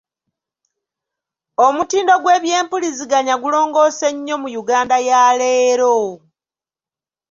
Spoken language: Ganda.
Omutindo gw’eby’empuliziganya gulongoose nnyo mu Yuganda ya leero.